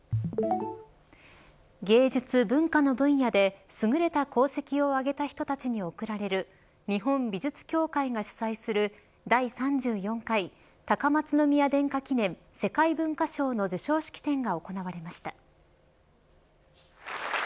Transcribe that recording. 芸術・文化の分野で優れた功績を挙げた人たちに贈られる日本美術協会が主催する第３４回高松宮殿下記念世界文化賞の授賞式典が行われました。